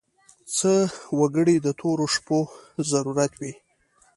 څه وګړي د تورو شپو ضرورت وي.